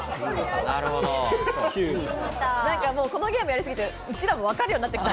このゲームやりすぎて、うちらもわかるようになってきた。